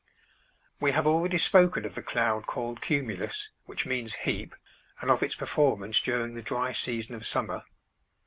We have already spoken of the cloud called cumulus (which means heap) and of its performance during the dry season of summer.